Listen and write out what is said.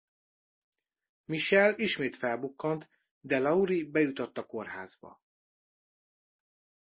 Michael ismét felbukkant de Laurie bejutott a kórházba.